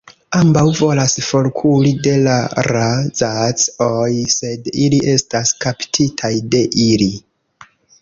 Ambaŭ volas forkuri de la Ra'zac-oj, sed ili estas kaptitaj de ili.